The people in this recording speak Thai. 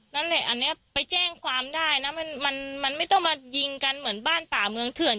นั่นแหละอันนี้ไปแจ้งความได้นะมันไม่ต้องมายิงกันเหมือนบ้านป่าเมืองเถื่อน